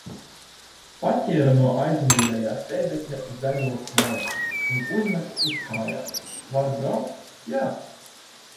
Paķēru no aizmugurējā sēdekļa zaļo pledu un uzmetu uz kājām. Var braukt? Jā!